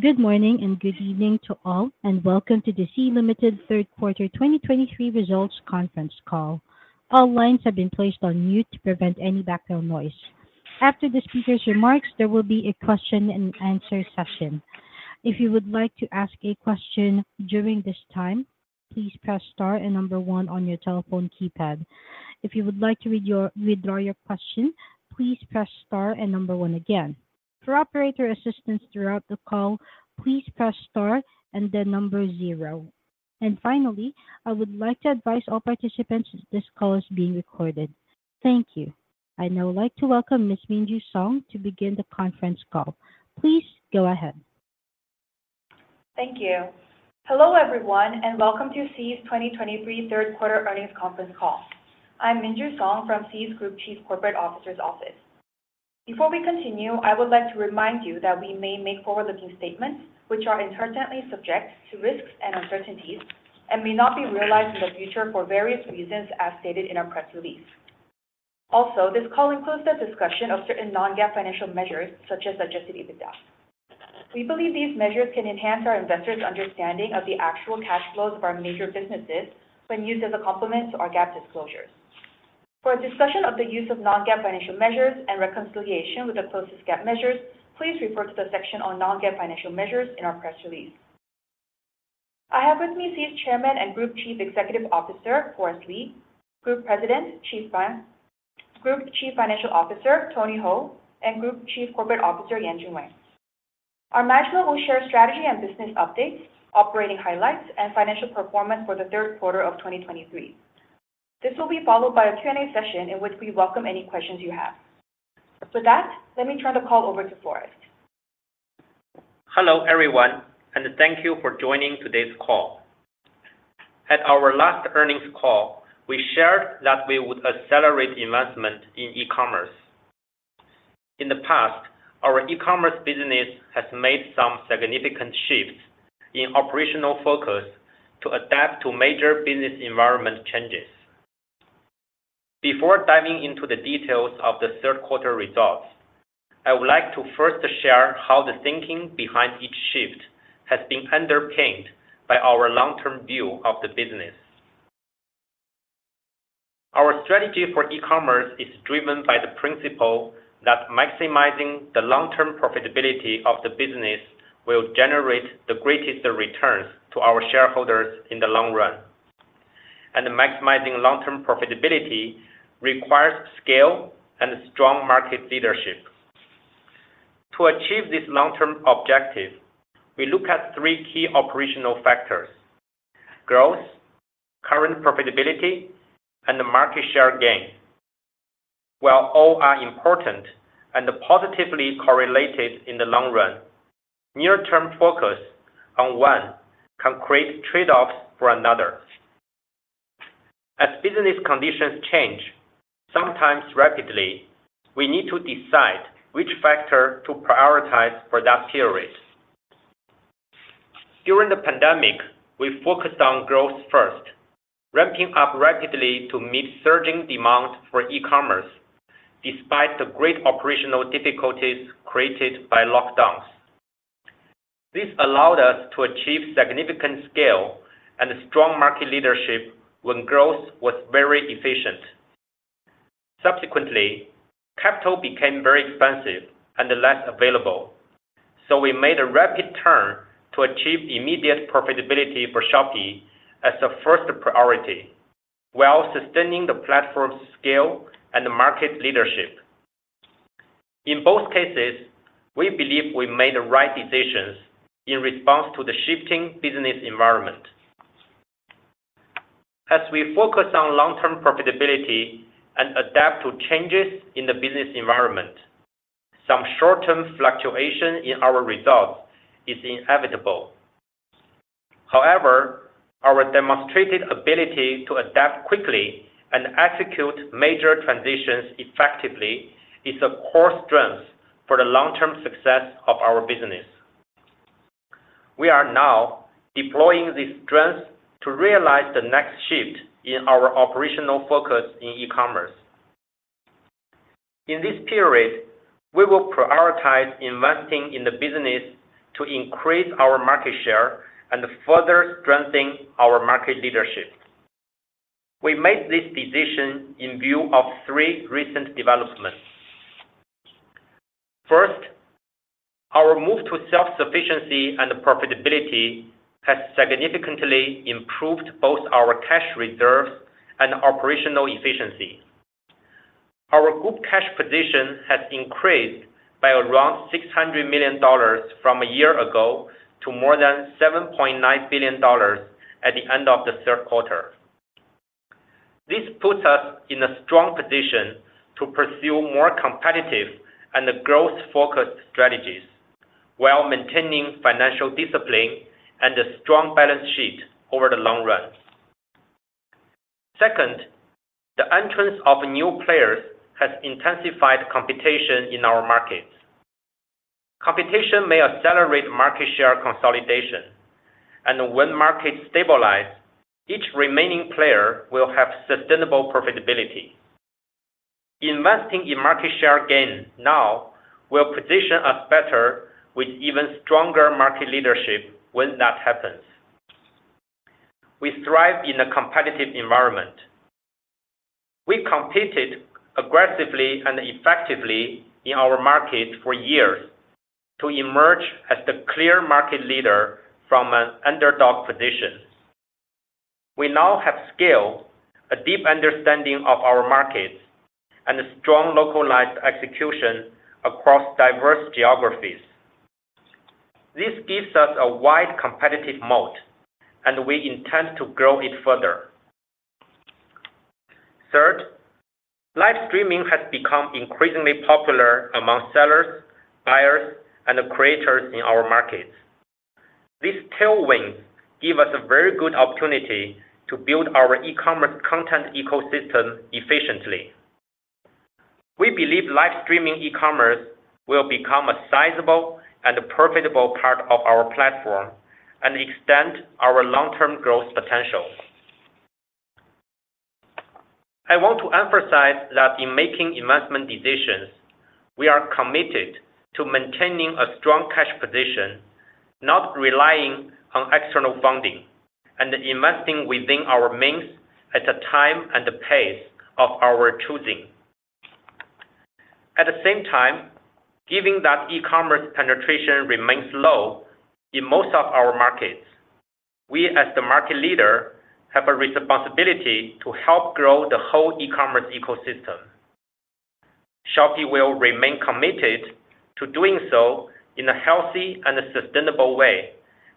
Good morning, and good evening to all, and welcome to the Sea Limited third quarter 2023 results conference call. All lines have been placed on mute to prevent any background noise. After the speaker's remarks, there will be a question and answer session. If you would like to ask a question during this time, please press star and one on your telephone keypad. If you would like to withdraw your question, please press star and one again. For operator assistance throughout the call, please press star and then zero. Finally, I would like to advise all participants this call is being recorded. Thank you. I'd now like to welcome Ms. Minju Song to begin the conference call. Please go ahead. Thank you. Hello, everyone, and welcome to Sea's 2023 third quarter earnings conference call. I'm Minju Song from Sea's Group Chief Corporate Officer's office. Before we continue, I would like to remind you that we may make forward-looking statements which are inherently subject to risks and uncertainties and may not be realized in the future for various reasons, as stated in our press release. Also, this call includes the discussion of certain non-GAAP financial measures, such as Adjusted EBITDA. We believe these measures can enhance our investors' understanding of the actual cash flows of our major businesses when used as a complement to our GAAP disclosures. For a discussion of the use of non-GAAP financial measures and reconciliation with the closest GAAP measures, please refer to the section on non-GAAP financial measures in our press release. I have with me Sea's Chairman and Group Chief Executive Officer, Forrest Li, Group President, Group Chief Financial Officer, Tony Hou, and Group Chief Corporate Officer, Yanjun Wang. Our management will share strategy and business updates, operating highlights, and financial performance for the third quarter of 2023. This will be followed by a Q&A session in which we welcome any questions you have. With that, let me turn the call over to Forrest. Hello, everyone, and thank you for joining today's call. At our last earnings call, we shared that we would accelerate investment in e-commerce. In the past, our e-commerce business has made some significant shifts in operational focus to adapt to major business environment changes. Before diving into the details of the third quarter results, I would like to first share how the thinking behind each shift has been underpinned by our long-term view of the business. Our strategy for e-commerce is driven by the principle that maximizing the long-term profitability of the business will generate the greatest returns to our Shareholders in the long run. Maximizing long-term profitability requires scale and strong market leadership. To achieve this long-term objective, we look at three key operational factors: growth, current profitability, and market share gain. While all are important and positively correlated in the long run, near-term focus on one can create trade-offs for another. As business conditions change, sometimes rapidly, we need to decide which factor to prioritize for that period. During the pandemic, we focused on growth first, ramping up rapidly to meet surging demand for e-commerce despite the great operational difficulties created by lockdowns. This allowed us to achieve significant scale and strong market leadership when growth was very efficient. Subsequently, capital became very expensive and less available, so we made a rapid turn to achieve immediate profitability for Shopee as a first priority, while sustaining the platform's scale and market leadership. In both cases, we believe we made the right decisions in response to the shifting business environment. As we focus on long-term profitability and adapt to changes in the business environment, some short-term fluctuation in our results is inevitable. However, our demonstrated ability to adapt quickly and execute major transitions effectively is a core strength for the long-term success of our business. We are now deploying this strength to realize the next shift in our operational focus in e-commerce. In this period, we will prioritize investing in the business to increase our market share and further strengthen our market leadership. We made this decision in view of three recent developments. First, our move to self-sufficiency and profitability has significantly improved both our cash reserves and operational efficiency. Our group cash position has increased by around $600 million from a year ago to more than $7.9 billion at the end of the third quarter. This puts us in a strong position to pursue more competitive and growth-focused strategies while maintaining financial discipline and a strong balance sheet over the long run. Second, the entrance of new players has intensified competition in our markets. Competition may accelerate market share consolidation, and when markets stabilize, each remaining player will have sustainable profitability. Investing in market share gain now will position us better with even stronger market leadership when that happens. We thrive in a competitive environment. We've competed aggressively and effectively in our market for years to emerge as the clear market leader from an underdog position. We now have scale, a deep understanding of our markets, and a strong localized execution across diverse geographies. This gives us a wide competitive moat, and we intend to grow it further. Third, live streaming has become increasingly popular among sellers, buyers, and creators in our markets. This tailwind give us a very good opportunity to build our e-commerce content ecosystem efficiently. We believe live streaming e-commerce will become a sizable and profitable part of our platform and extend our long-term growth potential. I want to emphasize that in making investment decisions, we are committed to maintaining a strong cash position, not relying on external funding, and investing within our means at the time and the pace of our choosing. At the same time, given that e-commerce penetration remains low in most of our markets, we, as the market leader, have a responsibility to help grow the whole e-commerce ecosystem. Shopee will remain committed to doing so in a healthy and sustainable way,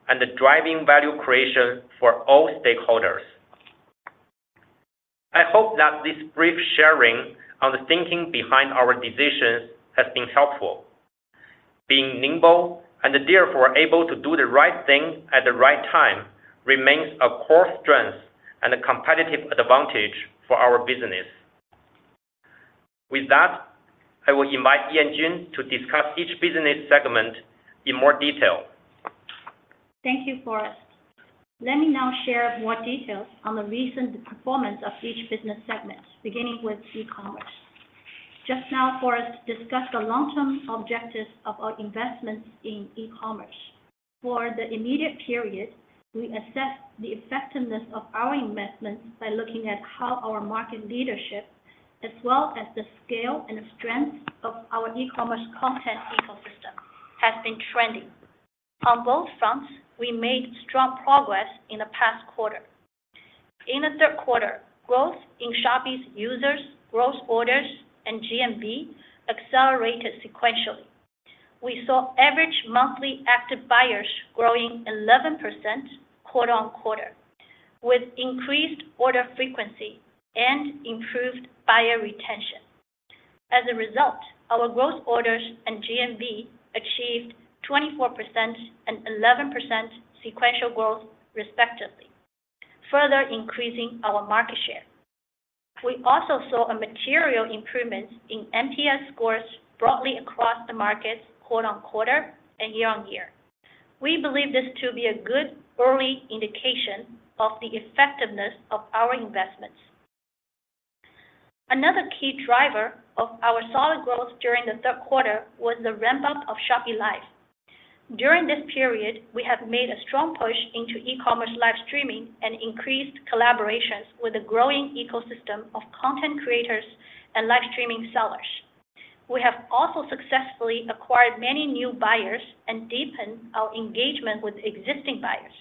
and driving value creation for all stakeholders. I hope that this brief sharing on the thinking behind our decisions has been helpful. Being nimble, and therefore able to do the right thing at the right time, remains a core strength and a competitive advantage for our business. With that, I will invite Yanjun Wang to discuss each business segment in more detail. Thank you, Forrest. Let me now share more details on the recent performance of each business segment, beginning with e-commerce. Just now, Forrest discussed the long-term objectives of our investments in e-commerce. For the immediate period, we assess the effectiveness of our investments by looking at how our market leadership, as well as the scale and strength of our e-commerce content ecosystem, has been trending. On both fronts, we made strong progress in the past quarter. In the third quarter, growth in Shopee's users, growth orders, and GMV accelerated sequentially. We saw average monthly active buyers growing 11% quarter on quarter, with increased order frequency and improved buyer retention. As a result, our growth orders and GMV achieved 24% and 11% sequential growth, respectively, further increasing our market share. We also saw a material improvement in NPS scores broadly across the markets quarter on quarter and year on year. We believe this to be a good early indication of the effectiveness of our investments. Another key driver of our solid growth during the third quarter was the ramp-up of Shopee Live. During this period, we have made a strong push into e-commerce live streaming and increased collaborations with a growing ecosystem of content creators and live streaming sellers. We have also successfully acquired many new buyers and deepened our engagement with existing buyers.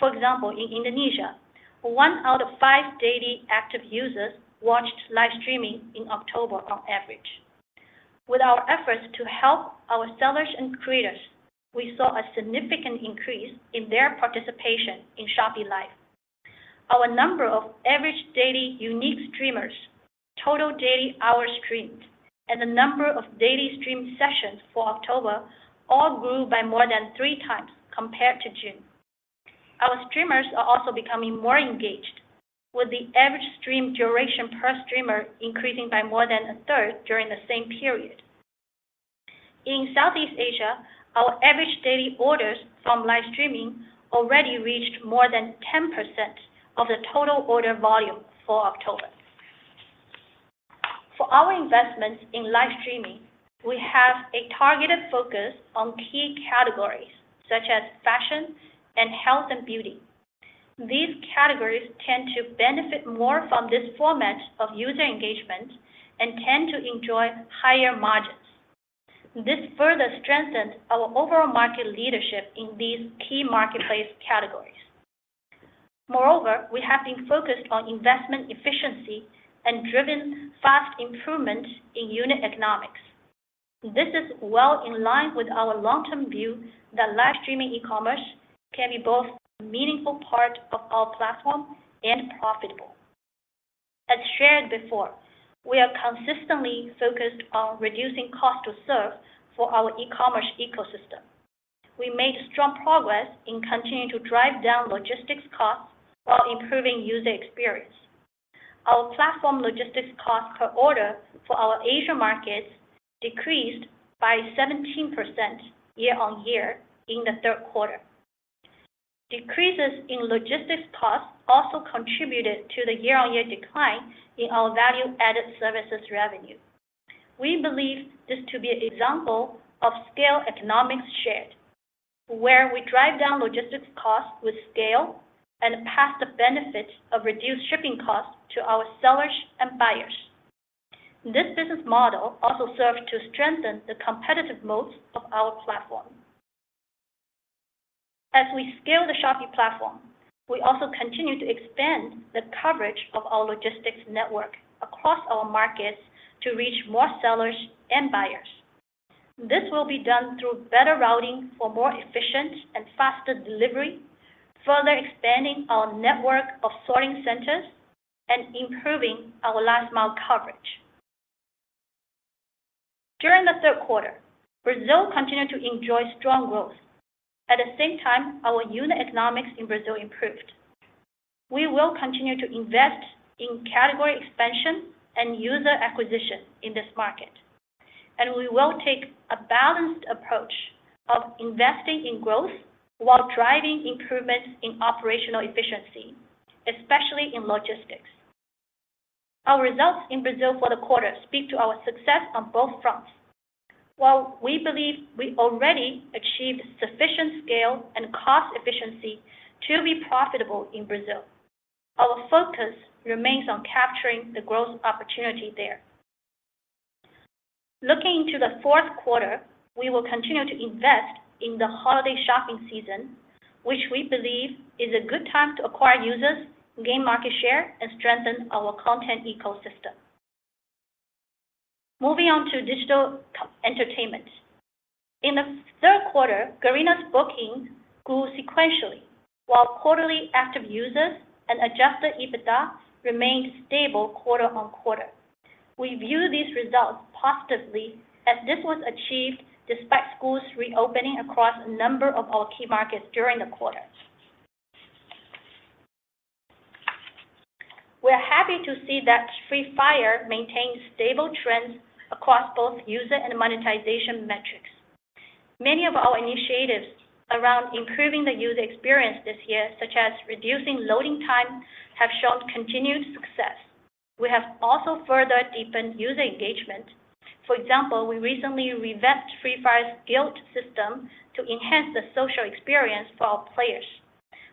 For example, in Indonesia, one out of five daily active users watched live streaming in October on average. With our efforts to help our sellers and creators, we saw a significant increase in their participation in Shopee Live. Our number of average daily unique streamers, total daily hours streamed, and the number of daily stream sessions for October all grew by more than 3x compared to June. Our streamers are also becoming more engaged, with the average stream duration per streamer increasing by more than a third during the same period. In Southeast Asia, our average daily orders from live streaming already reached more than 10% of the total order volume for October. For our investments in live streaming, we have a targeted focus on key categories such as fashion and health and beauty. These categories tend to benefit more from this format of user engagement and tend to enjoy higher margins. This further strengthens our overall market leadership in these key marketplace categories. Moreover, we have been focused on investment efficiency and driven fast improvement in unit economics. This is well in line with our long-term view that live streaming e-commerce can be both a meaningful part of our platform and profitable. As shared before, we are consistently focused on reducing cost to serve for our e-commerce ecosystem. We made strong progress in continuing to drive down logistics costs while improving user experience. Our platform logistics cost per order for our Asia markets decreased by 17% year-on-year in the third quarter. Decreases in logistics costs also contributed to the year-on-year decline in our value-added services revenue. We believe this to be an example of scale economics shared, where we drive down logistics costs with scale and pass the benefits of reduced shipping costs to our sellers and buyers. This business model also serves to strengthen the competitive moats of our platform. As we scale the Shopee platform, we also continue to expand the coverage of our logistics network across our markets to reach more sellers and buyers. This will be done through better routing for more efficient and faster delivery, further expanding our network of sorting centers and improving our last mile coverage. During the third quarter, Brazil continued to enjoy strong growth. At the same time, our unit economics in Brazil improved. We will continue to invest in category expansion and user acquisition in this market, and we will take a balanced approach of investing in growth while driving improvements in operational efficiency, especially in logistics. Our results in Brazil for the quarter speak to our success on both fronts. While we believe we already achieved sufficient scale and cost efficiency to be profitable in Brazil, our focus remains on capturing the growth opportunity there. Looking into the fourth quarter, we will continue to invest in the holiday shopping season, which we believe is a good time to acquire users, gain market share, and strengthen our content ecosystem. Moving on to digital entertainment. In the third quarter, Garena's bookings grew sequentially, while quarterly active users and Adjusted EBITDA remained stable quarter on quarter. We view these results positively as this was achieved despite schools reopening across a number of our key markets during the quarter. We're happy to see that Free Fire maintains stable trends across both user and monetization metrics. Many of our initiatives around improving the user experience this year, such as reducing loading time, have shown continued success. We have also further deepened user engagement. For example, we recently revamped Free Fire's guild system to enhance the social experience for our players.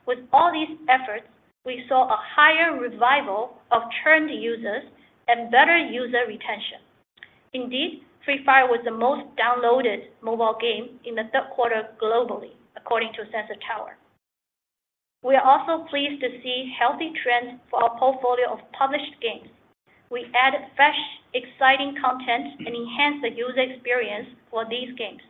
With all these efforts, we saw a higher revival of churned users and better user retention. Indeed, Free Fire was the most downloaded mobile game in the third quarter globally, according to Sensor Tower. We are also pleased to see healthy trends for our portfolio of published games. We added fresh, exciting content and enhanced the user experience for these games.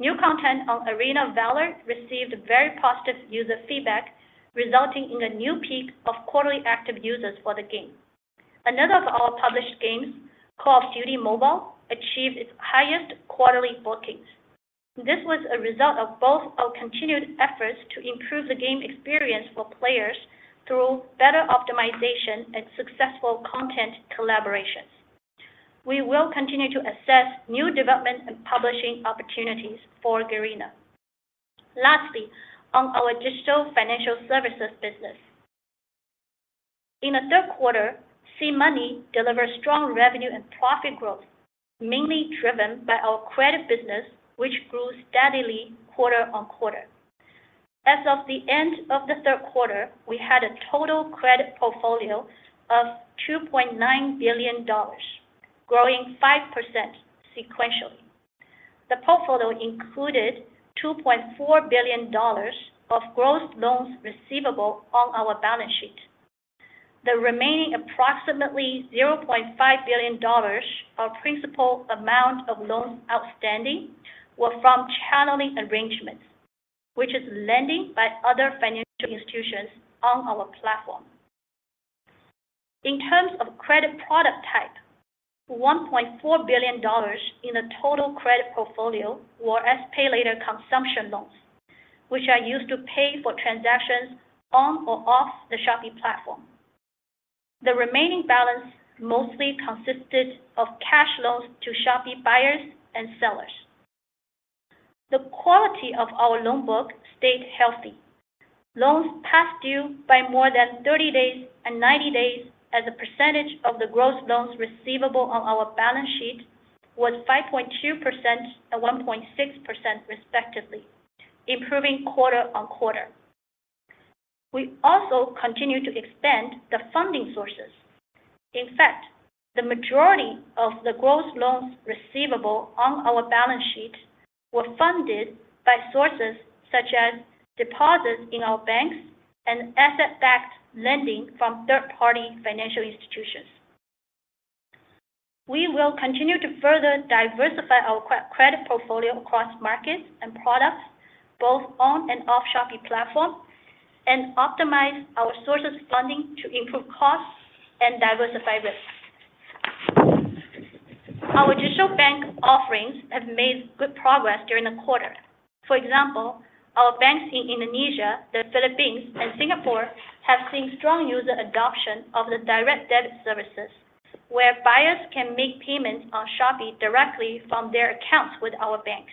New content on Arena of Valor received very positive user feedback, resulting in a new peak of quarterly active users for the game. Another of our published games, Call of Duty Mobile, achieved its highest quarterly bookings. This was a result of both our continued efforts to improve the game experience for players through better optimization and successful content collaborations. We will continue to assess new development and publishing opportunities for Garena. Lastly, on our digital financial services business. In the third quarter, SeaMoney delivered strong revenue and profit growth, mainly driven by our credit business, which grew steadily quarter-over-quarter. As of the end of the third quarter, we had a total credit portfolio of $2.9 billion, growing 5% sequentially. The portfolio included $2.4 billion of gross loans receivable on our balance sheet. The remaining approximately $0.5 billion of principal amount of loans outstanding were from channeling arrangements, which is lending by other financial institutions on our platform. In terms of credit product type, $1.4 billion in the total credit portfolio were SPayLater consumption loans, which are used to pay for transactions on or off the Shopee platform. The remaining balance mostly consisted of cash loans to Shopee buyers and sellers. The quality of our loan book stayed healthy. Loans past due by more than 30 days and 90 days as a percentage of the gross loans receivable on our balance sheet was 5.2% and 1.6%, respectively, improving quarter-on-quarter. We also continued to expand the funding sources. In fact, the majority of the gross loans receivable on our balance sheet were funded by sources such as deposits in our banks and asset-backed lending from third-party financial institutions. We will continue to further diversify our credit portfolio across markets and products, both on and off Shopee platform, and optimize our sources of funding to improve costs and diversify risk. Our digital bank offerings have made good progress during the quarter. For example, our banks in Indonesia, the Philippines, and Singapore have seen strong user adoption of the direct debit services, where buyers-... Make payments on Shopee directly from their accounts with our banks.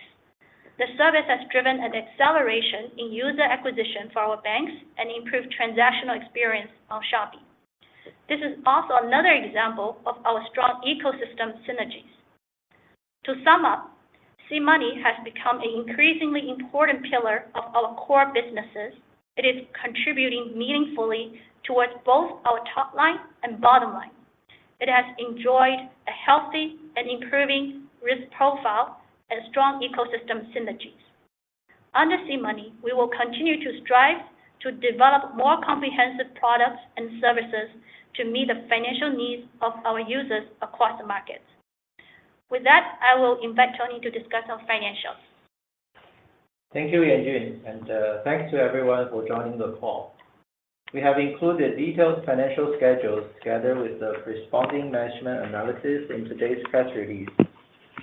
The service has driven an acceleration in user acquisition for our banks and improved transactional experience on Shopee. This is also another example of our strong ecosystem synergies. To sum up, SeaMoney has become an increasingly important pillar of our core businesses. It is contributing meaningfully towards both our top line and bottom line. It has enjoyed a healthy and improving risk profile and strong ecosystem synergies. Under SeaMoney, we will continue to strive to develop more comprehensive products and services to meet the financial needs of our users across the markets. With that, I will invite Tony to discuss our financials. Thank you, Yanjun, and thanks to everyone for joining the call. We have included detailed financial schedules together with the corresponding management analysis in today's press release,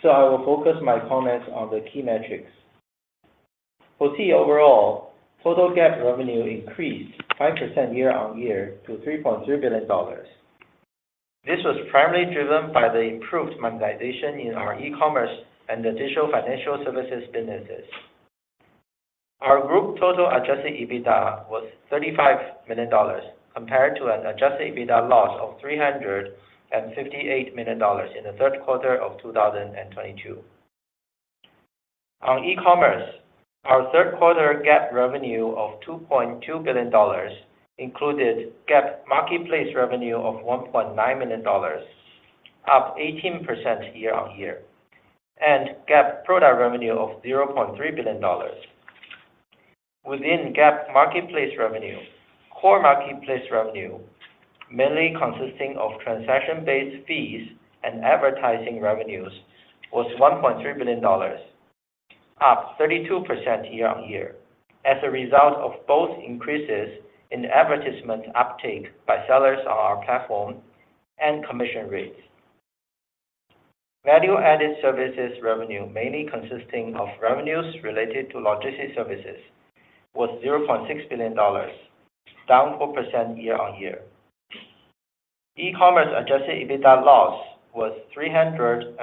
so I will focus my comments on the key metrics. For Sea overall, total GAAP revenue increased 5% year-on-year to $3.3 billion. This was primarily driven by the improved monetization in our e-commerce and digital financial services businesses. Our group total Adjusted EBITDA was $35 million, compared to an Adjusted EBITDA loss of $358 million in the third quarter of 2022. On e-commerce, our third quarter GAAP revenue of $2.2 billion included GAAP marketplace revenue of $1.9 million, up 18% year-on-year, and GAAP product revenue of $0.3 billion. Within GAAP marketplace revenue, core marketplace revenue, mainly consisting of transaction-based fees and advertising revenues, was $1.3 billion, up 32% year-on-year, as a result of both increases in advertisement uptake by sellers on our platform and commission rates. Value-added services revenue, mainly consisting of revenues related to logistics services, was $0.6 billion, down 4% year-on-year. E-commerce adjusted EBITDA loss was $346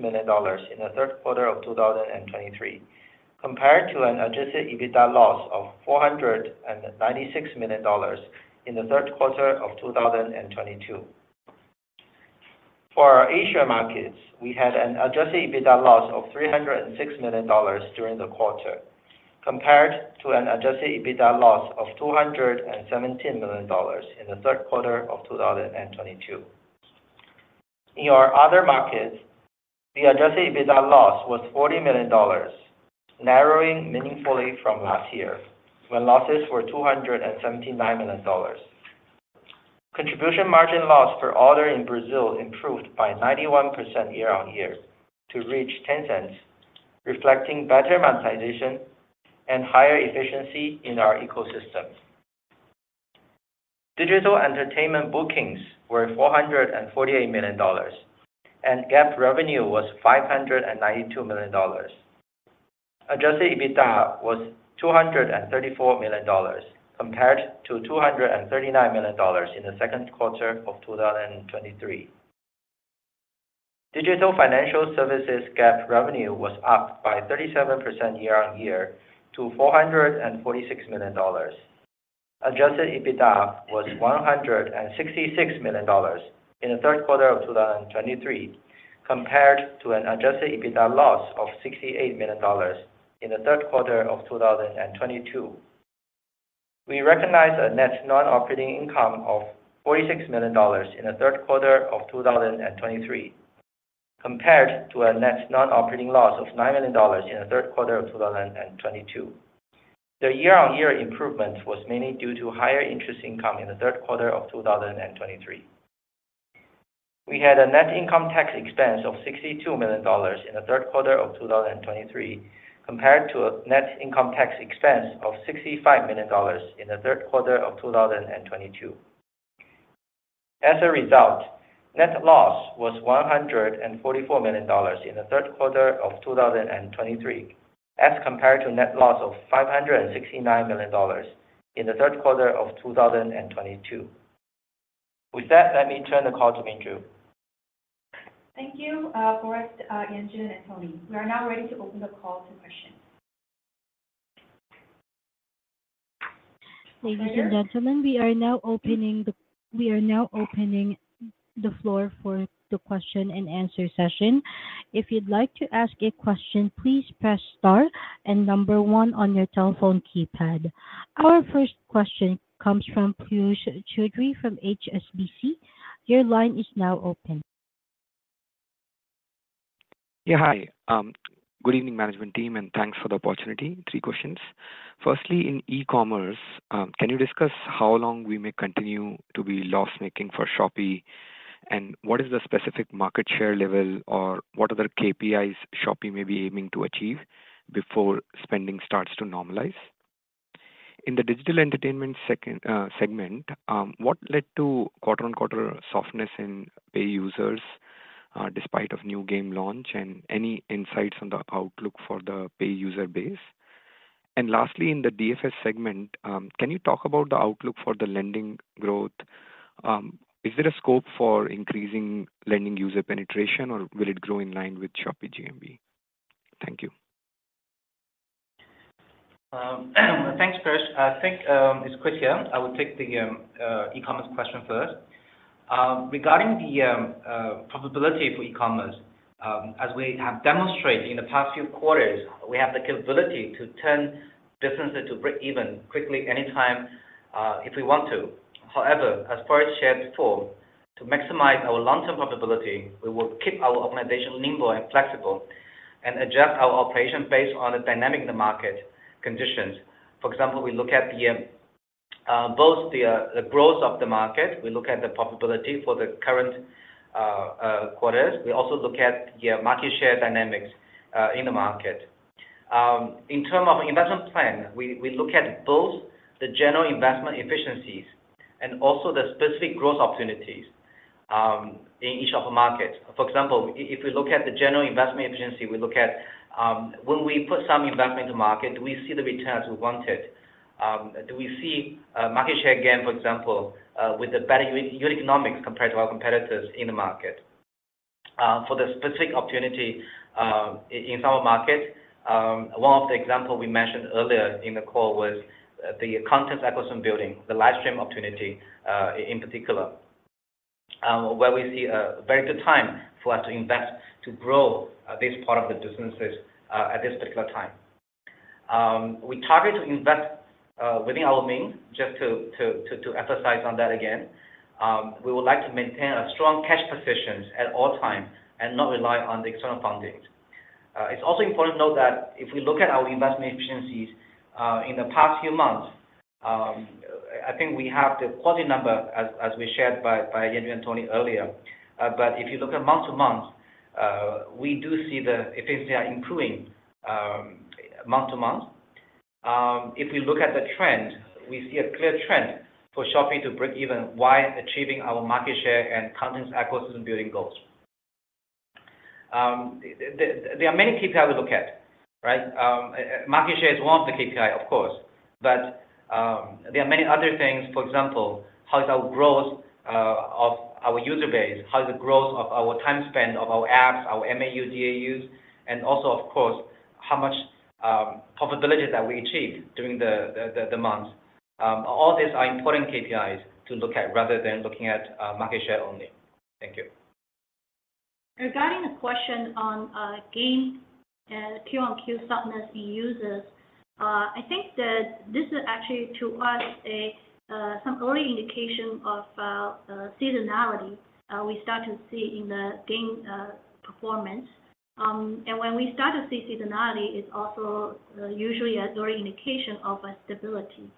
million in the third quarter of 2023, compared to an adjusted EBITDA loss of $496 million in the third quarter of 2022. For our Asia markets, we had an adjusted EBITDA loss of $306 million during the quarter, compared to an adjusted EBITDA loss of $217 million in the third quarter of 2022. In our other markets, the adjusted EBITDA loss was $40 million, narrowing meaningfully from last year, when losses were $279 million. Contribution margin loss per order in Brazil improved by 91% year-on-year to reach $0.10, reflecting better monetization and higher efficiency in our ecosystems. Digital entertainment bookings were $448 million, and GAAP revenue was $592 million. Adjusted EBITDA was $234 million, compared to $239 million in the second quarter of 2023. Digital financial services GAAP revenue was up by 37% year-on-year to $446 million. Adjusted EBITDA was $166 million in the third quarter of 2023, compared to an adjusted EBITDA loss of $68 million in the third quarter of 2022. We recognized a net non-operating income of $46 million in the third quarter of 2023, compared to a net non-operating loss of $9 million in the third quarter of 2022. The year-on-year improvement was mainly due to higher interest income in the third quarter of 2023. We had a net income tax expense of $62 million in the third quarter of 2023, compared to a net income tax expense of $65 million in the third quarter of 2022. As a result, net loss was $144 million in the third quarter of 2023, as compared to net loss of $569 million in the third quarter of 2022. With that, let me turn the call to Minju. Thank you, Forrest, Yanjun, and Tony. We are now ready to open the call to questions. Ladies and gentlemen, we are now opening the floor for the question-and-answer session. If you'd like to ask a question, please press star and number one on your telephone keypad. Our first question comes from Piyush Choudhary from HSBC. Your line is now open. Yeah, hi. Good evening, management team, and thanks for the opportunity. Three questions. Firstly, in e-commerce, can you discuss how long we may continue to be loss-making for Shopee? And what is the specific market share level or what other KPIs Shopee may be aiming to achieve before spending starts to normalize? In the digital entertainment second, segment, what led to quarter-on-quarter softness in pay users, despite of new game launch? And any insights on the outlook for the pay user base? And lastly, in the DFS segment, can you talk about the outlook for the lending growth? Is there a scope for increasing lending user penetration, or will it grow in line with Shopee GMV? Thank you. Thanks, Piyush. I think it's Chris here. I will take the e-commerce question first. Regarding the profitability for e-commerce, as we have demonstrated in the past few quarters, we have the capability to turn businesses to break even quickly, anytime, if we want to. However, as far as shared before, to maximize our long-term profitability, we will keep our organization nimble and flexible, and adjust our operations based on the dynamic of the market conditions. For example, we look at both the growth of the market, we look at the profitability for the current quarters. We also look at the market share dynamics in the market. In terms of investment plan, we look at both the general investment efficiencies and also the specific growth opportunities in each of the markets. For example, if we look at the general investment efficiency, we look at. When we put some investment into the market, do we see the returns we wanted? Do we see market share gain, for example, with the better unit economics compared to our competitors in the market? For the specific opportunity, in some markets, one of the example we mentioned earlier in the call was the content ecosystem building, the live stream opportunity, in particular, where we see a very good time for us to invest, to grow this part of the businesses at this particular time. We target to invest within our means, just to emphasize on that again. We would like to maintain a strong cash positions at all time, and not rely on the external fundings. It's also important to note that if we look at our investment efficiencies in the past few months, I think we have the quality number as we shared by Yanjun and Tony earlier. But if you look at month-to-month, we do see the efficiency are improving month-to-month. If we look at the trend, we see a clear trend for Shopee to break even while achieving our market share and content ecosystem building goals. There are many KPI we look at, right? Market share is one of the KPI, of course, but there are many other things. For example, how is our growth of our user base? How is the growth of our time spent of our apps, our MAU, DAUs, and also, of course, how much profitability that we achieved during the months? All these are important KPIs to look at rather than looking at market share only. Thank you. Regarding the question on game and QoQ softness in users, I think that this is actually, to us, some early indication of seasonality we start to see in the game performance. And when we start to see seasonality, it's also usually as early indication of a stability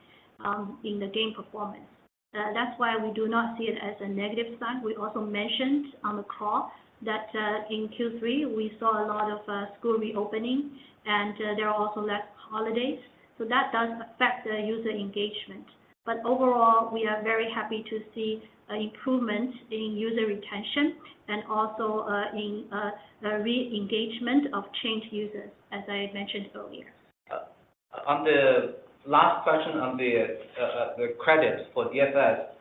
in the game performance. That's why we do not see it as a negative sign. We also mentioned on the call that in Q3, we saw a lot of school reopening, and there are also less holidays, so that does affect the user engagement. But overall, we are very happy to see a improvement in user retention and also in the re-engagement of churned users, as I mentioned earlier. On the last question on the credits for DFS.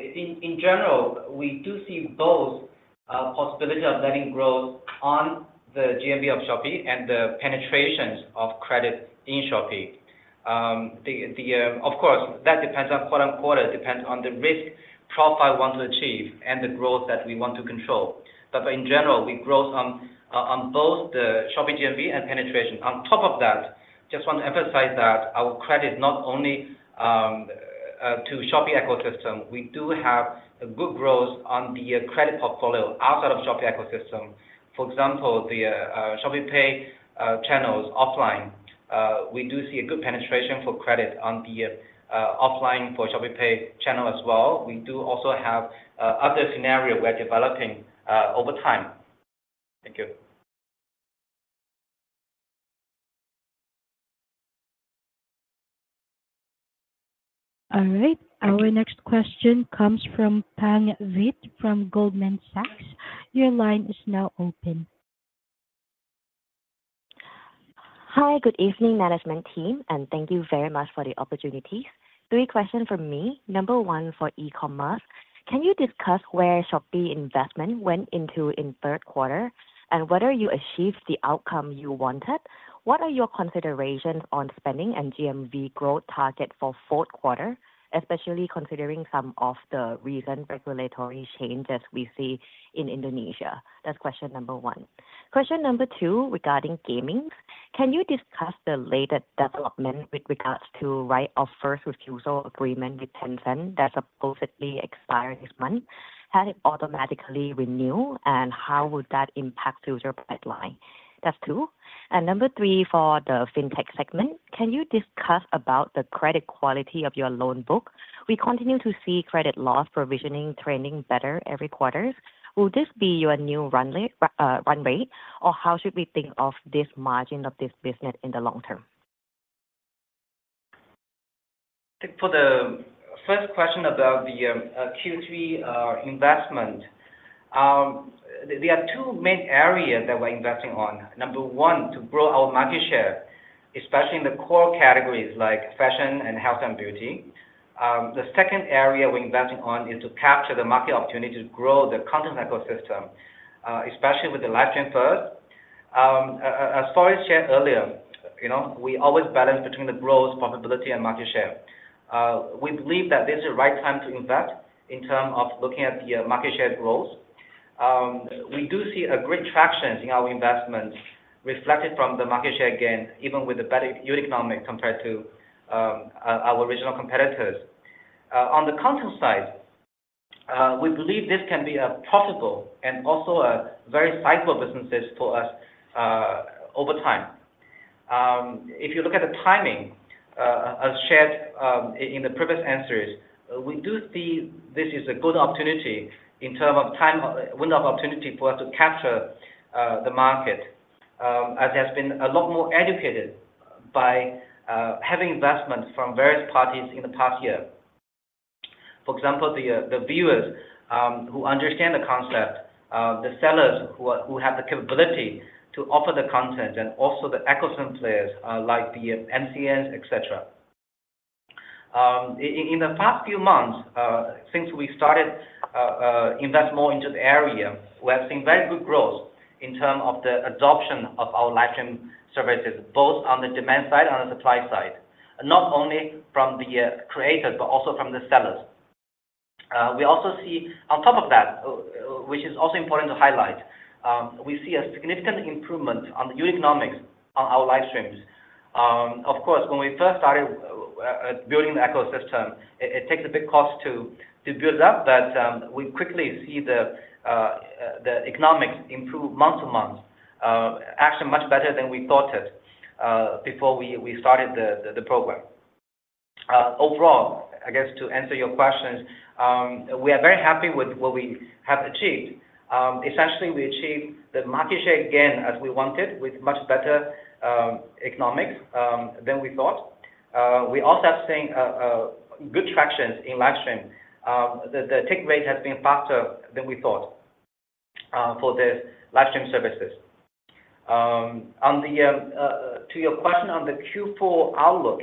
In general, we do see both possibility of lending growth on the GMV of Shopee and the penetrations of credit in Shopee. Of course, that depends on quarter on quarter, it depends on the risk profile we want to achieve and the growth that we want to control. But in general, we growth on both the Shopee GMV and penetration. On top of that, just want to emphasize that our credit not only to Shopee ecosystem, we do have a good growth on the credit portfolio outside of Shopee ecosystem. For example, the ShopeePay channels offline. We do see a good penetration for credit on the offline for ShopeePay channel as well. We do also have other scenario we're developing over time. Thank you. All right. Our next question comes from Pang Vitt from Goldman Sachs. Your line is now open. Hi, good evening, management team, and thank you very much for the opportunity. Three questions from me. Number one, for e-commerce, can you discuss where Shopee investment went into in third quarter, and whether you achieved the outcome you wanted? What are your considerations on spending and GMV growth target for fourth quarter, especially considering some of the recent regulatory changes we see in Indonesia? That's question number one. Question number two, regarding gaming. Can you discuss the latest development with regards to right of first refusal agreement with Tencent that's supposedly expire this month? Had it automatically renew, and how would that impact user pipeline? That's two. And number three, for the fintech segment, can you discuss about the credit quality of your loan book? We continue to see credit loss provisioning trending better every quarters. Will this be your new run rate, or how should we think of this margin of this business in the long term?... I think for the first question about the Q3 investment, there are two main areas that we're investing on. Number one, to grow our market share, especially in the core categories like fashion and health and beauty. The second area we're investing on is to capture the market opportunity to grow the content ecosystem, especially with the live stream first. As far as shared earlier, you know, we always balance between the growth, profitability, and market share. We believe that this is the right time to invest in term of looking at the market share growth. We do see a great traction in our investments reflected from the market share gain, even with the better unit economics compared to our regional competitors. On the content side, we believe this can be profitable and also very sizable businesses for us over time. If you look at the timing, as shared in the previous answers, we do see this is a good opportunity in term of time-window of opportunity for us to capture the market, as has been a lot more educated by having investments from various parties in the past year. For example, the viewers who understand the concept, the sellers who have the capability to offer the content, and also the ecosystem players like the MCN, etc.. In the past few months, since we started invest more into the area, we have seen very good growth in term of the adoption of our live stream services, both on the demand side and on the supply side, not only from the creators, but also from the sellers. We also see on top of that, which is also important to highlight, we see a significant improvement on the unit economics on our live streams. Of course, when we first started building the ecosystem, it takes a big cost to build up, but we quickly see the economics improve month to month, actually much better than we thought it before we started the program. Overall, I guess, to answer your questions, we are very happy with what we have achieved. Essentially, we achieved the market share gain as we wanted, with much better economics than we thought. We also have seen good traction in live streaming. The take rate has been faster than we thought for the live stream services. On to your question on the Q4 outlook,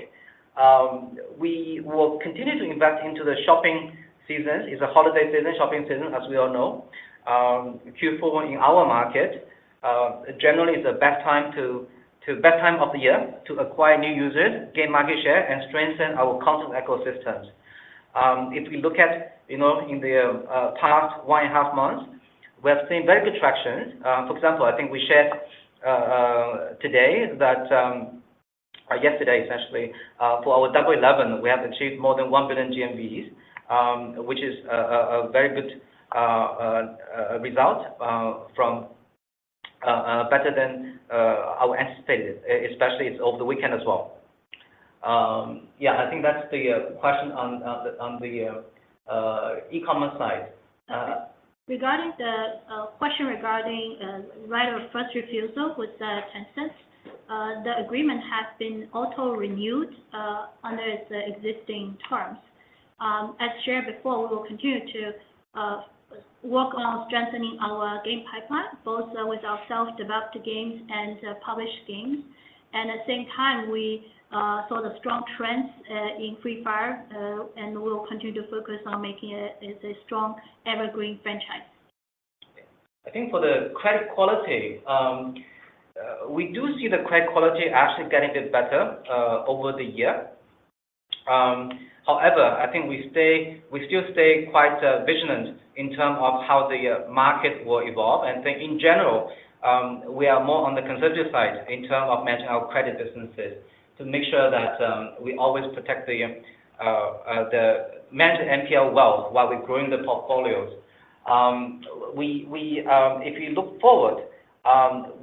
we will continue to invest into the shopping season. It's a holiday season, shopping season, as we all know. Q4 in our market generally is the best time of the year to acquire new users, gain market share, and strengthen our content ecosystems. If we look at, you know, in the past 1.5 months, we have seen very good traction. For example, I think we shared today that, or yesterday, essentially, for our 11.11, we have achieved more than $1 billion GMVs, which is a very good result from better than our anticipated, especially it's over the weekend as well. Yeah, I think that's the question on the e-commerce side. Regarding the question regarding right of first refusal with Tencent, the agreement has been auto renewed under its existing terms. As shared before, we will continue to work on strengthening our game pipeline, both with our self-developed games and published games, and at the same time, we saw the strong trends in Free Fire, and we will continue to focus on making it as a strong evergreen franchise. I think for the credit quality, we do see the credit quality actually getting a bit better over the year. However, I think we still stay quite vigilant in term of how the market will evolve. I think in general, we are more on the conservative side in term of managing our credit businesses, to make sure that we always protect the managed NPL well while we're growing the portfolios. If you look forward,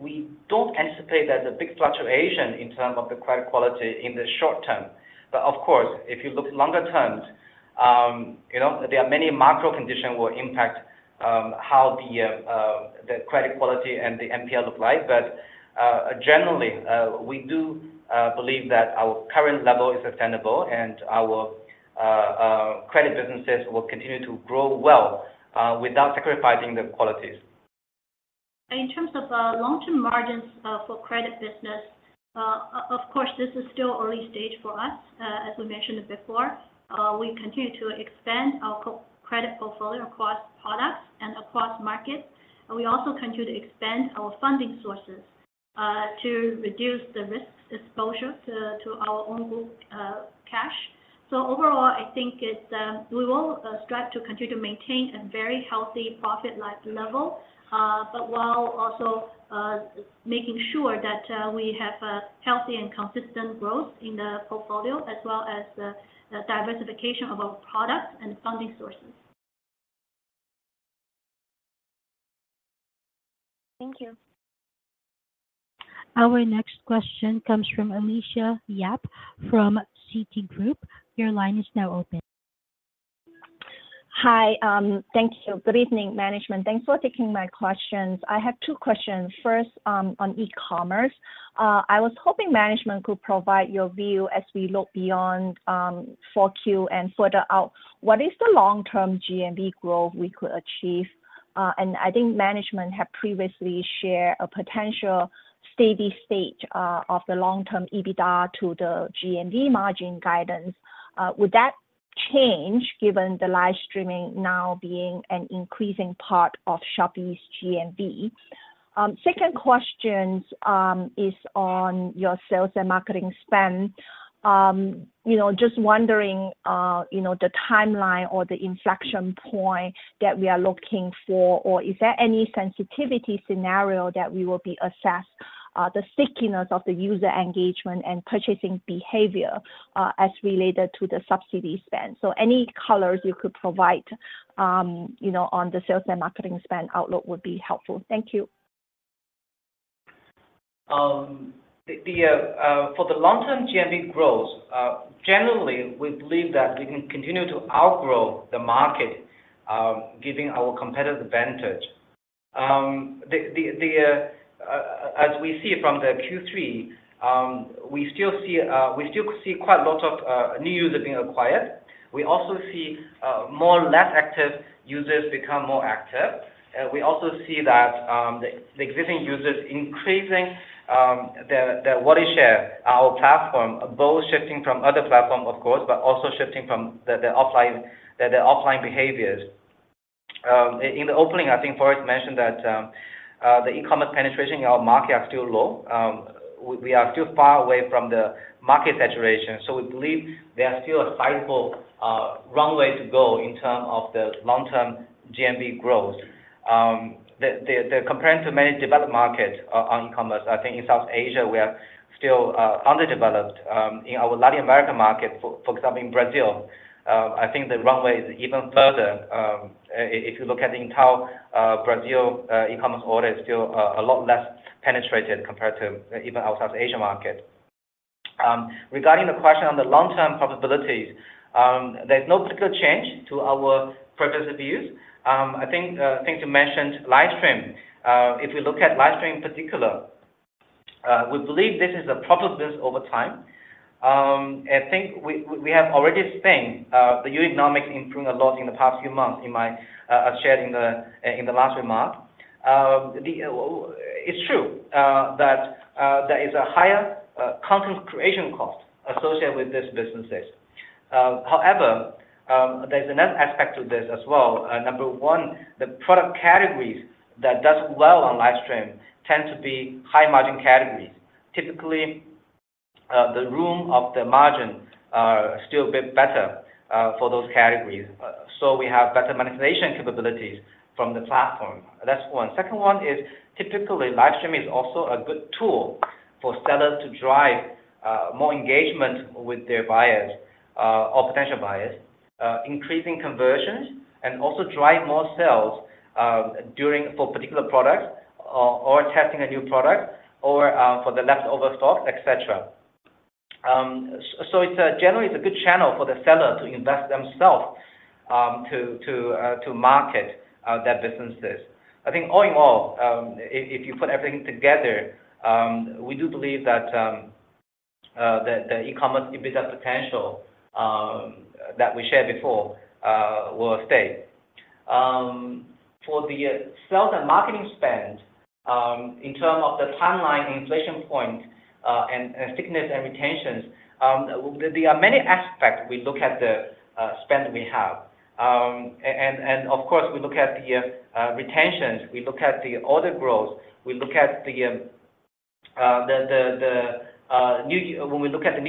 we don't anticipate that the big fluctuation in term of the credit quality in the short term, but of course, if you look longer term, you know, there are many macro condition will impact how the credit quality and the NPL look like. But, generally, we do believe that our current level is sustainable, and our credit businesses will continue to grow well, without sacrificing the qualities. In terms of long-term margins for credit business, of course, this is still early stage for us. As we mentioned before, we continue to expand our credit portfolio across products and across markets. We also continue to expand our funding sources to reduce the risk exposure to our own group cash. So overall, I think it's we will strive to continue to maintain a very healthy profitability level, but while also making sure that we have a healthy and consistent growth in the portfolio, as well as the diversification of our products and funding sources. Thank you. Our next question comes from Alicia Yap from Citigroup. Your line is now open.... Hi, thank you. Good evening, management. Thanks for taking my questions. I have two questions. First, on e-commerce. I was hoping management could provide your view as we look beyond, 4Q and further out. What is the long-term GMV growth we could achieve? And I think management have previously shared a potential steady state, of the long-term EBITDA to the GMV margin guidance. Would that change given the live streaming now being an increasing part of Shopee's GMV? Second questions, is on your sales and marketing spend. You know, just wondering, you know, the timeline or the inflection point that we are looking for, or is there any sensitivity scenario that we will be assessed, the stickiness of the user engagement and purchasing behavior, as related to the subsidy spend? So any colors you could provide, you know, on the sales and marketing spend outlook would be helpful. Thank you. For the long-term GMV growth, generally, we believe that we can continue to outgrow the market, giving our competitive advantage. As we see from the Q3, we still see quite a lot of new users being acquired. We also see more less active users become more active. We also see that the existing users increasing the wallet share our platform, both shifting from other platform, of course, but also shifting from the offline behaviors. In the opening, I think Forrest mentioned that the e-commerce penetration in our market are still low. We are still far away from the market saturation, so we believe there are still a sizable runway to go in term of the long-term GMV growth. Compared to many developed markets on e-commerce, I think in Southeast Asia, we are still underdeveloped. In our Latin American market, for example, in Brazil, I think the runway is even further. If you look at the entire Brazil e-commerce order is still a lot less penetrated compared to even our Southeast Asia market. Regarding the question on the long-term profitability, there's no particular change to our previous views. I think you mentioned live stream. If you look at live stream in particular, we believe this is a proper business over time. I think we have already seen the unit economics improve a lot in the past few months, as shared in the last few months. It's true that there is a higher content creation cost associated with these businesses. However, there's another aspect to this as well. Number one, the product categories that do well on live stream tend to be high-margin categories. Typically, the run-rate margins are still a bit better for those categories, so we have better monetization capabilities from the platform. That's one. Second one is, typically, live stream is also a good tool for sellers to drive more engagement with their buyers or potential buyers, increasing conversions, and also drive more sales during...for particular products or testing a new product or for the leftover stock, etc.. So it's generally a good channel for the seller to invest themselves to market their businesses. I think all in all, if you put everything together, we do believe that the e-commerce EBITDA potential that we shared before will stay. For the sales and marketing spend, in terms of the timeline, inflection point, and stickiness and retentions, there are many aspects we look at the spend we have. And of course, we look at the retentions, we look at the order growth, we look at the new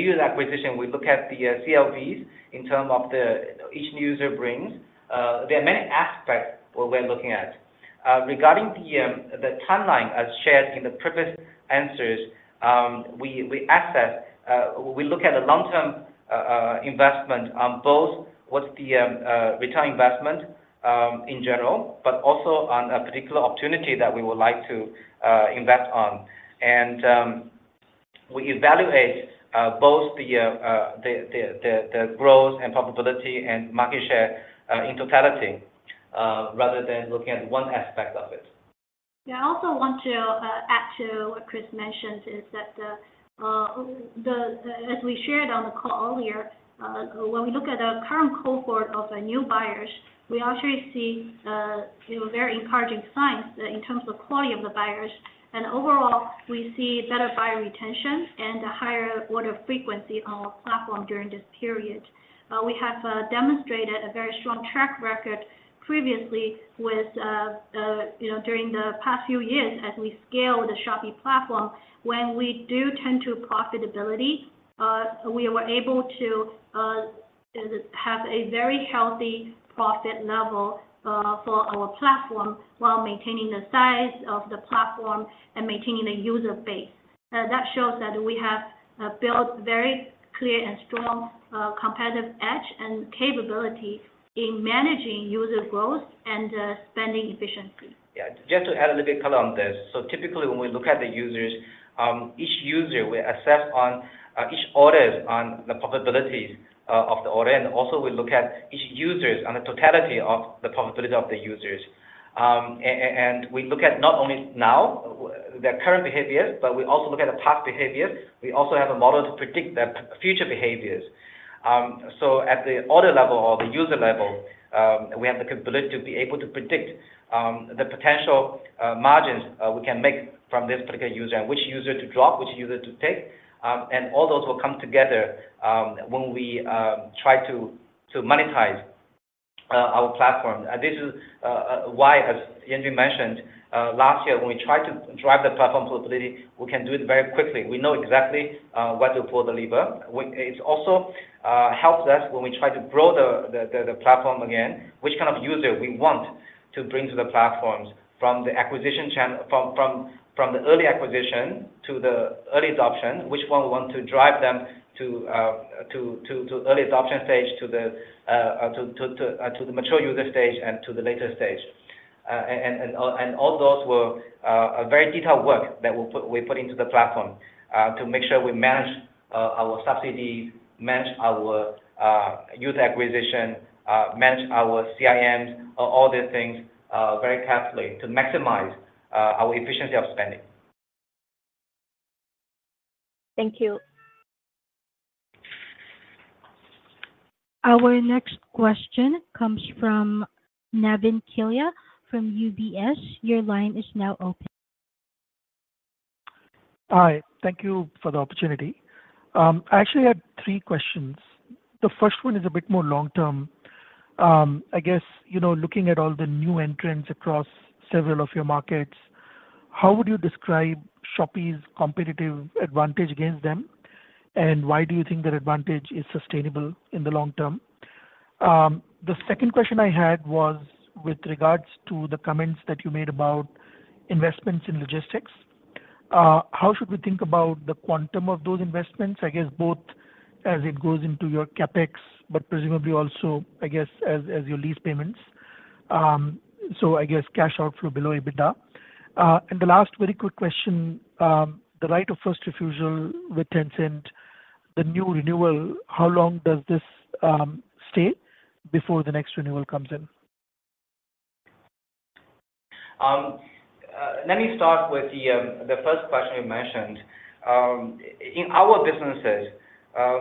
user acquisition, we look at the CLVs in terms of the each new user brings. There are many aspects what we're looking at. Regarding the timeline, as shared in the previous answers, we assess, we look at the long-term investment on both what's the return investment in general, but also on a particular opportunity that we would like to invest on. And we evaluate both the growth and profitability and market share in totality rather than looking at one aspect of it. Yeah, I also want to add to what Chris mentioned: is that as we shared on the call earlier, when we look at the current cohort of new buyers, we actually see, you know, very encouraging signs in terms of quality of the buyers. Overall, we see better buyer retention and a higher order frequency on our platform during this period. We have demonstrated a very strong track record previously with, you know, during the past few years as we scale the Shopee platform. When we do turn to profitability, we were able to have a very healthy profit level for our platform while maintaining the size of the platform and maintaining the user base. That shows that we have built very clear and strong competitive edge and capability in managing user growth and spending efficiently. Yeah. Just to add a little bit color on this. So typically, when we look at the users, each user will assess on, each orders on the profitability, of the order, and also we look at each users on the totality of the profitability of the users. And we look at not only now, their current behaviors, but we also look at the past behaviors. We also have a model to predict their future behaviors. So at the order level or the user level, we have the capability to be able to predict, the potential, margins, we can make from this particular user, and which user to drop, which user to take. And all those will come together, when we, try to, to monetize, our platform. This is why, as Yanjun mentioned last year, when we tried to drive the platform profitability, we can do it very quickly. We know exactly where to pull the lever. It also helps us when we try to grow the platform again, which kind of user we want to bring to the platforms from the acquisition channel to the early adoption, which one we want to drive them to the early adoption stage, to the mature user stage, and to the later stage. And all those were a very detailed work that we put into the platform to make sure we manage our subsidies, manage our user acquisition, manage our CRM, all these things very carefully to maximize our efficiency of spending. Thank you. Our next question comes from Navin Killa from UBS. Your line is now open. Hi, thank you for the opportunity. I actually had three questions. The first one is a bit more long-term. I guess, you know, looking at all the new entrants across several of your markets, how would you describe Shopee's competitive advantage against them, and why do you think their advantage is sustainable in the long term? The second question I had was with regards to the comments that you made about investments in logistics. How should we think about the quantum of those investments? I guess both as it goes into your CapEx, but presumably also, I guess, as your lease payments. So I guess cash outflow below EBITDA. And the last very quick question, the right of first refusal with Tencent, the new renewal, how long does this stay before the next renewal comes in? Let me start with the first question you mentioned. In our businesses,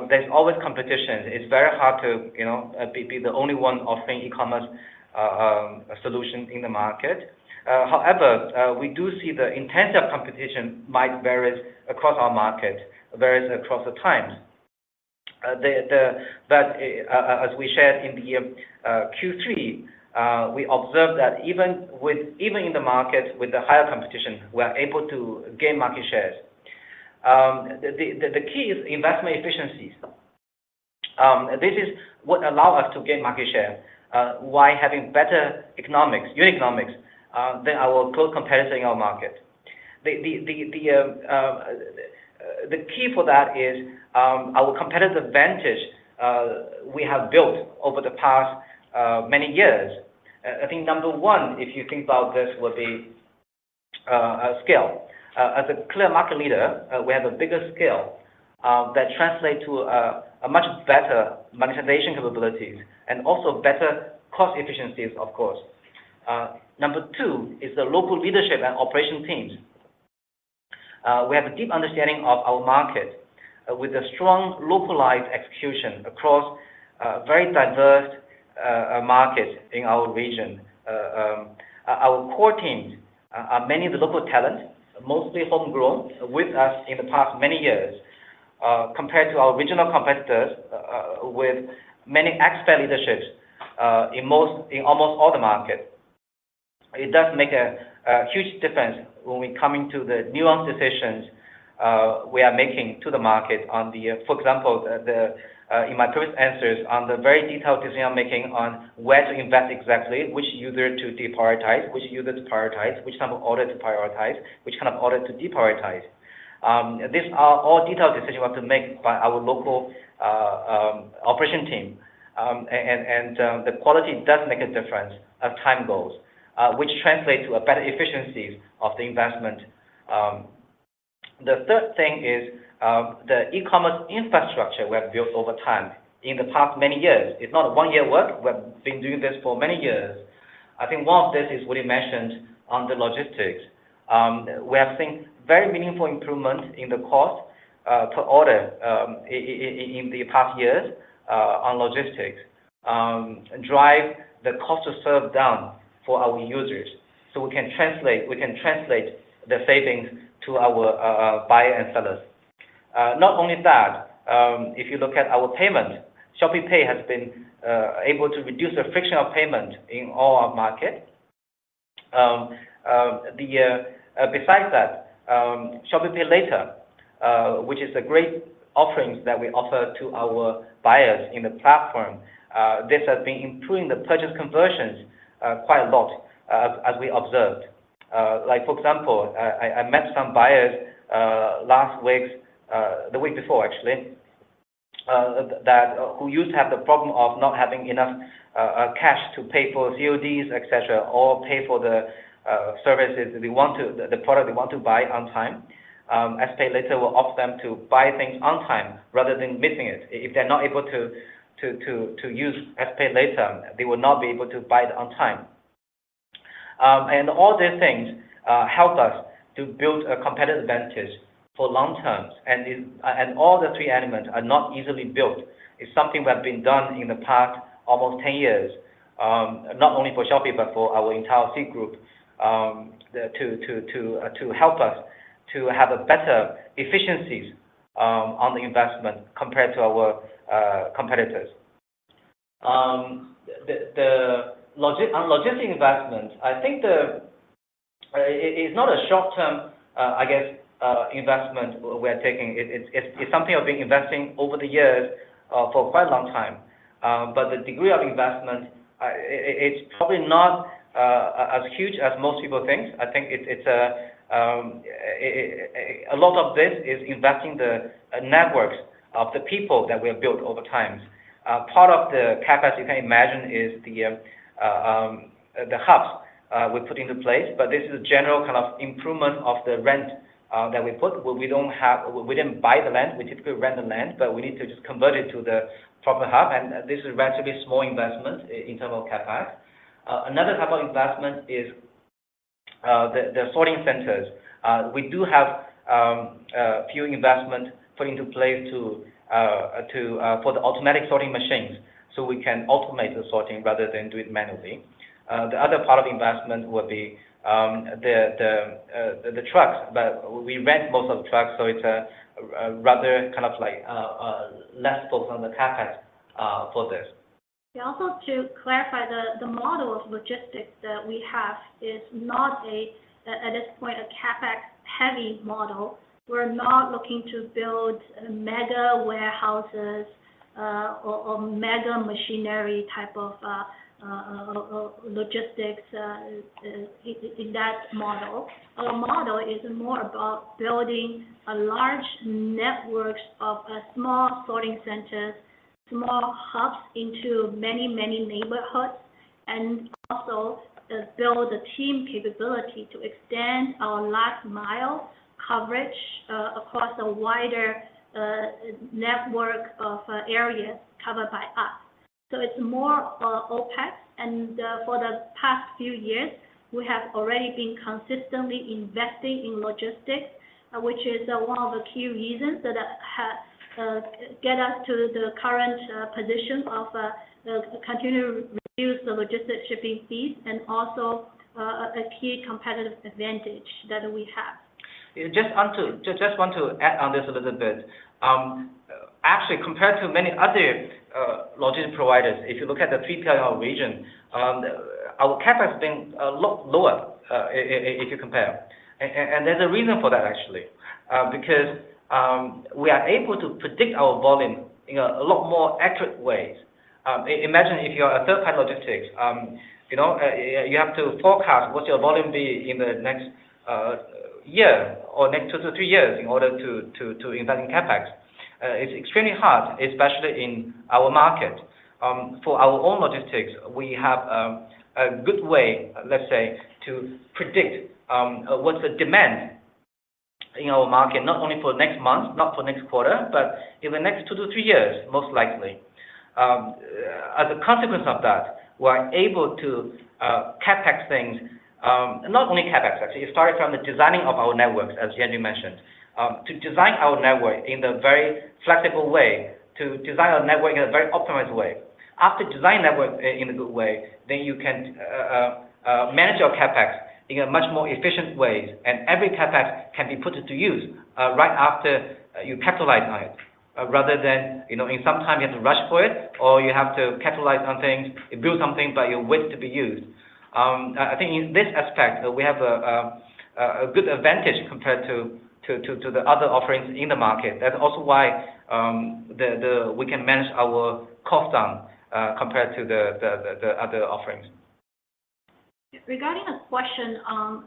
there's always competition. It's very hard to, you know, be the only one offering e-commerce solution in the market. However, we do see the intensive competition might vary across our market, varies across the times. But, as we shared in the Q3, we observed that even in the market with the higher competition, we are able to gain market shares. The key is investment efficiencies. This is what allow us to gain market share, while having better economics, unit economics, than our close competitors in our market. The key for that is our competitive advantage we have built over the past many years. I think number one, if you think about this, would be scale. As a clear market leader, we have a bigger scale that translate to a much better monetization capabilities and also better cost efficiencies, of course. Number two is the local leadership and operation teams. We have a deep understanding of our market with a strong localized execution across very diverse markets in our region. Our core teams are many of the local talent, mostly homegrown, with us in the past many years. Compared to our regional competitors, with many expert leaderships, in most, in almost all the markets, it does make a huge difference when we coming to the nuanced decisions, we are making to the market on the... for example, the, the, in my first answers on the very detailed decision-making on where to invest exactly, which user to deprioritize, which user to prioritize, which type of order to prioritize, which kind of order to deprioritize. These are all detailed decisions we have to make by our local operation team. And the quality does make a difference as time goes, which translates to a better efficiencies of the investment. The third thing is, the e-commerce infrastructure we have built over time in the past many years. It's not a one-year work, we have been doing this for many years. I think one of this is what you mentioned on the logistics. We have seen very meaningful improvement in the cost per order in the past years on logistics drive the cost to serve down for our users. So we can translate, we can translate the savings to our buyer and sellers. Not only that, if you look at our payment, ShopeePay has been able to reduce the friction of payment in all our market. Besides that, ShopeePay Later, which is a great offerings that we offer to our buyers in the platform, this has been improving the purchase conversions quite a lot, as we observed. Like, for example, I met some buyers last week, the week before actually, who used to have the problem of not having enough cash to pay for CODs, etc., or pay for the services they want to, the product they want to buy on time, as pay later will offer them to buy things on time rather than missing it. If they're not able to use as pay later, they will not be able to buy it on time. And all these things help us to build a competitive advantage for long term, and all the three elements are not easily built. It's something that have been done in the past almost 10 years, not only for Shopee, but for our entire Sea group, to help us to have a better efficiencies, on the investment compared to our competitors. The logistic investment, I think it's not a short-term, I guess, investment we're taking. It's something we've been investing over the years, for quite a long time. But the degree of investment, it's probably not as huge as most people think. I think it's a lot of this is investing the networks of the people that we have built over time. Part of the CapEx, you can imagine, is the hubs we put into place, but this is a general kind of improvement of the rent that we put where we don't have. We didn't buy the land, we typically rent the land, but we need to just convert it to the proper hub, and this is relatively small investment in terms of CapEx. Another type of investment is the sorting centers. We do have a few investment put into place to for the automatic sorting machines, so we can automate the sorting rather than do it manually. The other part of investment would be the trucks, but we rent most of the trucks, so it's a rather kind of like less focus on the CapEx for this. Yeah, also to clarify, the model of logistics that we have is not, at this point, a CapEx-heavy model. We're not looking to build mega warehouses, or mega machinery type of logistics in that model. Our model is more about building a large network of small sorting centers, small hubs into many, many neighborhoods, and also build the team capability to extend our last mile coverage across a wider network of areas covered by us. So it's more of OpEx, and for the past few years, we have already been consistently investing in logistics, which is one of the key reasons that have get us to the current position of the continued reduce the logistics shipping fees and also a key competitive advantage that we have. Yeah, just want to—just, just want to add on this a little bit. Actually, compared to many other, logistics providers, if you look at the three region, our CapEx has been, lot lower, if you compare. And there's a reason for that, actually. Because, we are able to predict our volume in a, lot more accurate ways. Imagine if you are a third-party logistics, you know, you have to forecast what your volume be in the next, year or next two to three years in order to, to invest in CapEx. It's extremely hard, especially in our market. For our own logistics, we have a good way, let's say, to predict what's the demand in our market, not only for next month, not for next quarter, but in the next two to three years, most likely. As a consequence of that, we're able to CapEx things, not only CapEx, actually, it started from the designing of our networks, as Yanjun mentioned. To design our network in a very flexible way, to design our network in a very optimized way. After designing the network in a good way, then you can manage your CapEx in a much more efficient way, and every CapEx can be put into use right after you capitalize on it, rather than, you know, in some time you have to rush for it, or you have to capitalize on things, you build something, but it waits to be used. I think in this aspect, we have a good advantage compared to the other offerings in the market. That's also why we can manage our costs down compared to the other offerings. Regarding the question on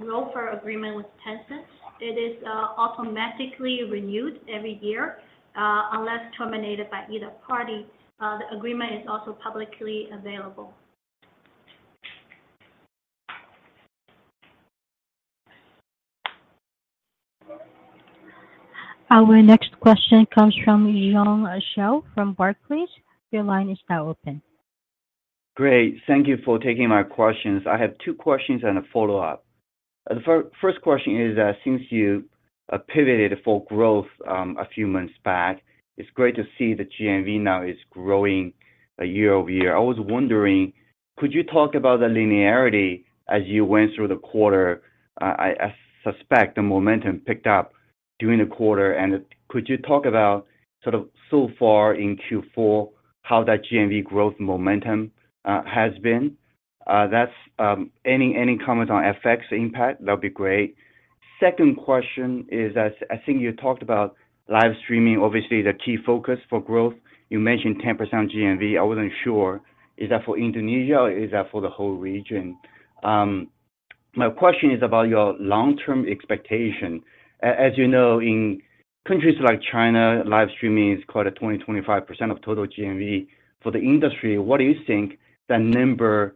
ROFR agreement with Tencent, it is automatically renewed every year, unless terminated by either party. The agreement is also publicly available. Our next question comes from Jiong Shao from Barclays. Your line is now open. Great. Thank you for taking my questions. I have two questions and a follow-up. The first question is, since you pivoted for growth, a few months back, it's great to see the GMV now is growing year-over-year. I was wondering, could you talk about the linearity as you went through the quarter? I suspect the momentum picked up during the quarter, and could you talk about sort of so far in Q4, how that GMV growth momentum has been? That's any comment on FX impact, that'll be great. Second question is, as I think you talked about live streaming, obviously, the key focus for growth. You mentioned 10% GMV. I wasn't sure, is that for Indonesia, or is that for the whole region? My question is about your long-term expectation. As you know, in-...countries like China, live streaming is quite a 20%-25% of total GMV. For the industry, what do you think the number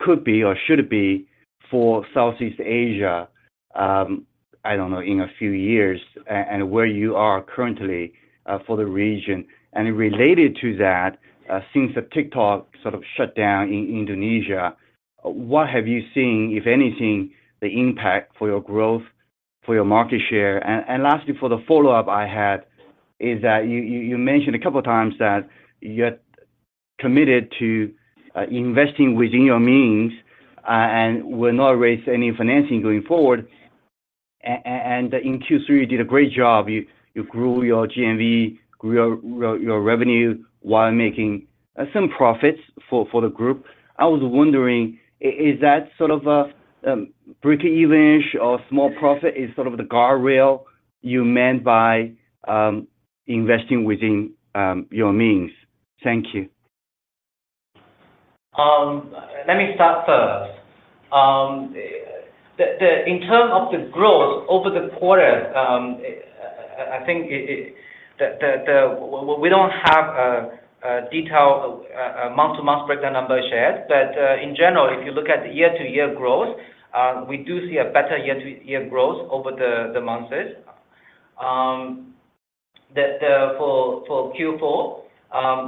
could be or should it be for Southeast Asia, I don't know, in a few years, and where you are currently, for the region? And related to that, since the TikTok sort of shut down in Indonesia, what have you seen, if anything, the impact for your growth, for your market share? And lastly, for the follow-up I had is that you mentioned a couple times that you're committed to investing within your means, and will not raise any financing going forward. And in Q3, you did a great job, you grew your GMV, grew your revenue while making some profits for the group. I was wondering, is that sort of a breakeven or small profit is sort of the guardrail you meant by investing within your means? Thank you. Let me start first. In terms of the growth over the quarter, I think we don't have a detailed month-to-month breakdown number shared, but in general, if you look at the year-to-year growth, we do see a better year-to-year growth over the months. For Q4,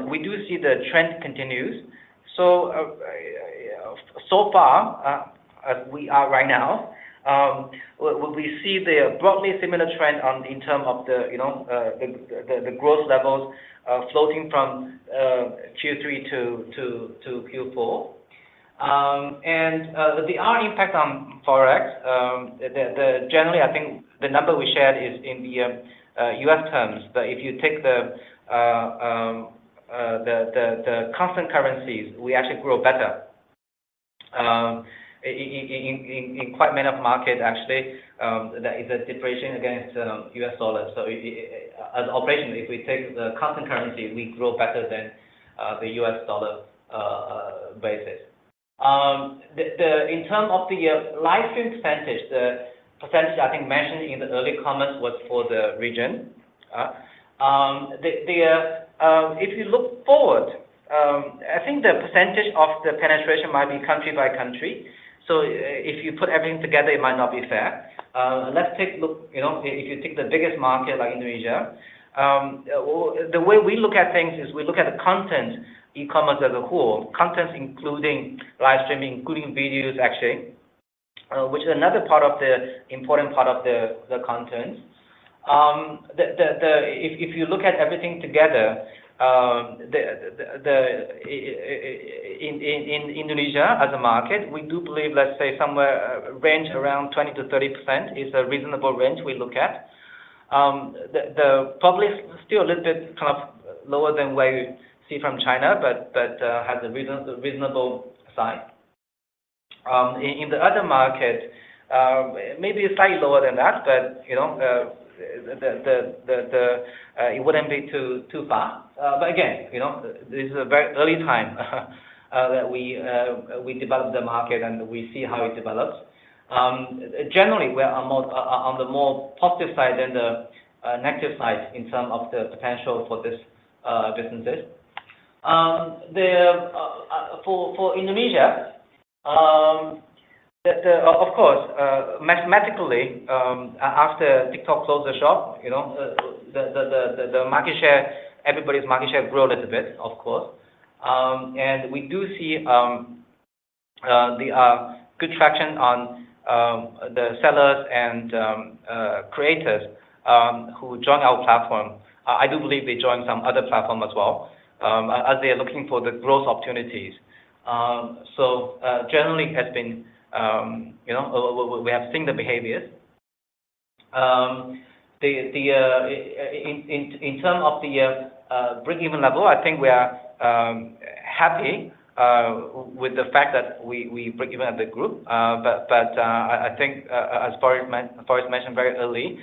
we do see the trend continues. So, so far, as we are right now, we see the broadly similar trend in terms of the, you know, the growth levels, floating from Q3 to Q4. And there are impact on Forex. The—generally, I think the number we shared is in the U.S. terms, but if you take the constant currencies, we actually grow better in quite many of market actually, there is a depreciation against U.S. dollars. So as operation, if we take the constant currency, we grow better than the U.S. dollar basis. In term of the live stream percentage, the percentage I think mentioned in the early comments was for the region. If you look forward, I think the percentage of the penetration might be country by country, so if you put everything together, it might not be fair. Let's take a look, you know, if you take the biggest market like Indonesia, the way we look at things is we look at the content e-commerce as a whole. Content including live streaming, including videos actually, which is another part of the content. If you look at everything together, in Indonesia as a market, we do believe, let's say somewhere, range around 20%-30% is a reasonable range we look at. Probably still a little bit kind of lower than what we see from China, but has a reasonable size. In the other market, maybe slightly lower than that, you know, it wouldn't be too far. But again, you know, this is a very early time that we develop the market and we see how it develops. Generally, we are more on the more positive side than the negative side in term of the potential for this businesses. For Indonesia, of course, mathematically, after TikTok closed the shop, you know, the market share, everybody's market share grow a little bit, of course. And we do see the good traction on the sellers and creators who join our platform. I do believe they join some other platform as well, as they are looking for the growth opportunities. So, generally has been, you know, we have seen the behaviors. In term of the breakeven level, I think we are happy with the fact that we breakeven as a group. But I think, as Forrest mentioned very early,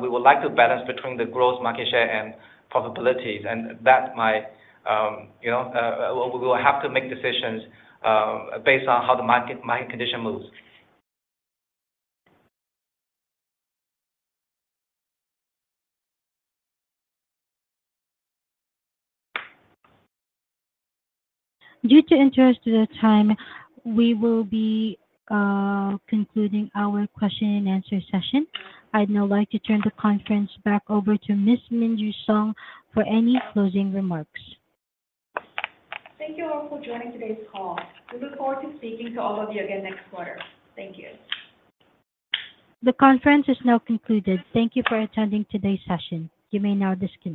we would like to balance between the growth market share and profitability, and that might, you know, we will have to make decisions based on how the market condition moves. In the interest of time, we will be concluding our question and answer session. I'd now like to turn the conference back over to Ms. Minju Song for any closing remarks. Thank you all for joining today's call. We look forward to speaking to all of you again next quarter. Thank you. The conference is now concluded. Thank you for attending today's session. You may now disconnect.